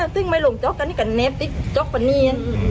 ซึ่งไม่ลงจ๊อกกันนี่กันเน็บติ๊กจ๊อกปะเนี้ยอืม